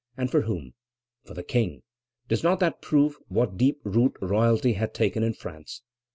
and for whom? For the King. Does not that prove what deep root royalty had taken in France?